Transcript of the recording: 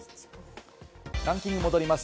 ランキングへ戻ります。